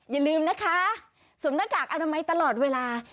อย่าลืมนะคะสวมหน้ากากอนามัยตลอดเวลา